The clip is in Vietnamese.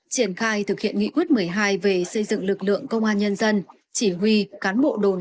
triển khai thực hiện nghị quyết một mươi hai về xây dựng lực lượng công an nhân dân chỉ huy cán bộ đồn